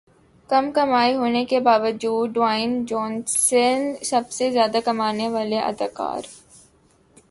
کم کمائی ہونے کے باوجود ڈیوائن جونسن سب سے زیادہ کمانے والے اداکار